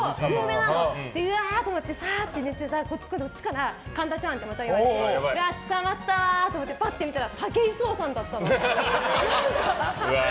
うわーと思ってたら、こっちから神田ちゃんってまた言われてつかまったわーって思ってパッと見たら武井壮さんだったの。